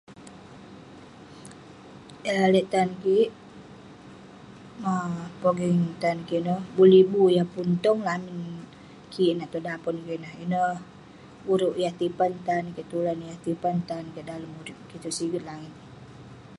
Yah lalek tan kik, ah pogeng tan kik neh ; bue' libu yah tong lamin kik Ineh tong dapon kik neh. Ineh urouk yah tipan tan kik, tulan yah tipan tan kik dalem urip kik itouk siget langit.